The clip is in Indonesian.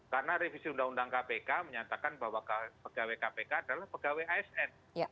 karena revisi undang undang kpk menyatakan bahwa pegawai kpk adalah pegawai asn